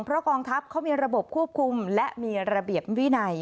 เพราะกองทัพเขามีระบบควบคุมและมีระเบียบวินัย